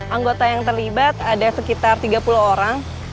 anggota yang terlibat ada sekitar tiga puluh orang